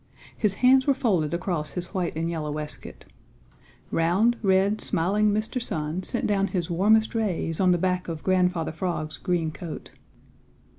His hands were folded across his white and yellow waistcoat. Round, red, smiling Mr. Sun sent down his warmest rays on the back of Grandfather Frog's green coat.